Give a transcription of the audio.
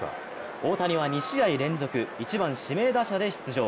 大谷は２試合連続１番指名打者で出場。